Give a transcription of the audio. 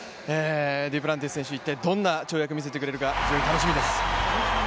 デュプランティス選手、一体どんな跳躍を見せてくれるか、楽しみです